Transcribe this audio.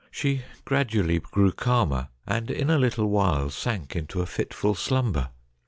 She gradually grew calmer, and in a little while sank into a fitful slumber.